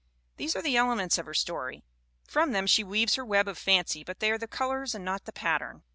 These are the elements of her story. From them she weaves her web of fancy but they are the colors and not the pattern.